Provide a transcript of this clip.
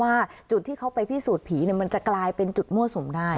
ว่าจุดที่เขาไปพิสูจน์ผีมันจะกลายเป็นจุดมั่วสุมได้